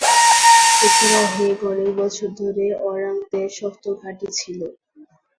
এছাড়া, হেগ অনেক বছর ধরে অরাংদের শক্ত ঘাঁটি ছিল।